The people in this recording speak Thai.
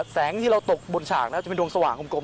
แสงที่เราตกบนฉากแล้วจะเป็นดวงสว่างกลม